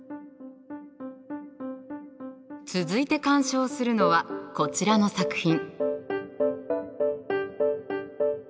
続いて鑑賞するのはこちらの作品。